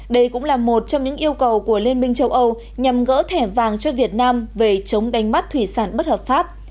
đây cũng là một trong những yêu cầu của liên minh châu âu nhằm gỡ thẻ vàng cho việt nam về chống đánh bắt thủy sản bất hợp pháp